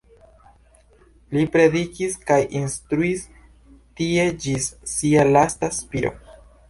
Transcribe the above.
Li predikis kaj instruis tie ĝis sia lasta spiro.